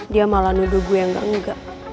dia malah nuduh gue yang gangga